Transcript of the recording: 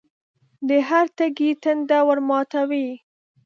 د هر تږي تنده ورماتوي.